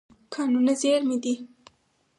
کانونه زېرمه دي.